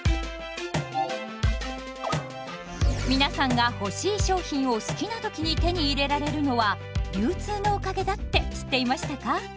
皆さんが欲しい商品を好きな時に手に入れられるのは流通のおかげだって知っていましたか？